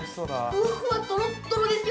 ◆ふわふわ、とろっとろですよ。